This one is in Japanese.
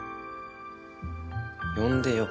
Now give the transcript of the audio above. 呼んでよ。